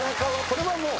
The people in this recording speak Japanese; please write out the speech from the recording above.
これはもう。